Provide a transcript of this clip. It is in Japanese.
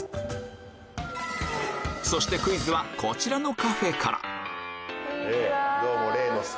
そしてクイズはこちらのカフェからこんにちは。